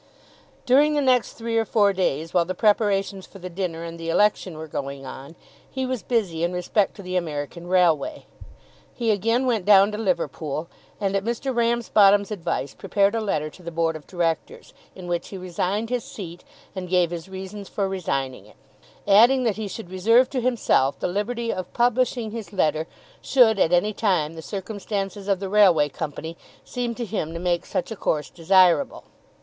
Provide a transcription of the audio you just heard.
During the next three or four days, while the preparations for the dinner and the election were going on, he was busy in respect to the American railway. He again went down to Liverpool, and at Mr. Ramsbottom's advice prepared a letter to the board of directors, in which he resigned his seat, and gave his reasons for resigning it; adding that he should reserve to himself the liberty of publishing his letter, should at any time the circumstances of the railway company seem to him to make such a course desirable.